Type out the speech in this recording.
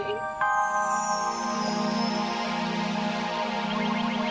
sampai jumpa lagi